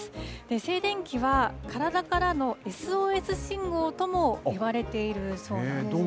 静電気は、体からのＳＯＳ信号ともいわれているそうなんですね。